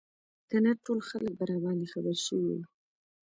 که نه ټول خلک به راباندې خبر شوي وو.